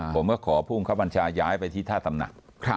ผมก็ขอผู้บังคับบัญชาย้ายไปที่ท่าตำหนัก